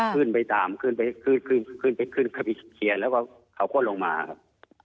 ขึ้นไปตามขึ้นไปขึ้นขึ้นไปขึ้นเข้าไปเคลียร์แล้วก็เขาก็ลงมาครับ